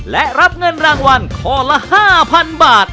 และรับเงินรางวัลข้อละ๕๐๐๐บาท